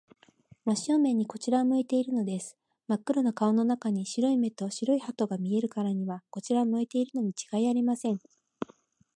真正面にこちらを向いているのです。まっ黒な顔の中に、白い目と白い歯とが見えるからには、こちらを向いているのにちがいありません。